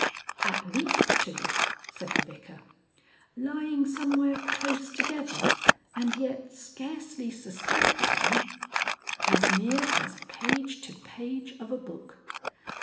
"At least Two," said the Vicar. "Lying somewhere close together, and yet scarcely suspecting...." "As near as page to page of a book."